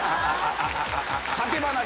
酒離れ。